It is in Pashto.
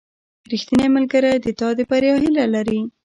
• ریښتینی ملګری د تا د بریا هیله لري.